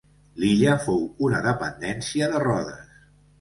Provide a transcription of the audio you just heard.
L'illa fou una dependència de Rodes.